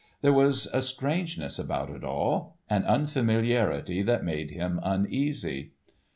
There was a strangeness about it all; an unfamiliarity that made him uneasy.